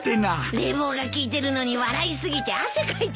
冷房が効いてるのに笑い過ぎて汗かいちゃったよ。